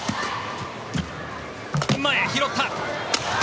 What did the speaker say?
前、拾った。